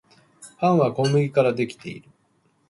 パンは小麦からできている